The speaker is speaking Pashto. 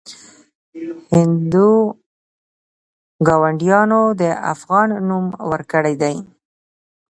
هندو ګاونډیانو د افغان نوم ورکړی دی.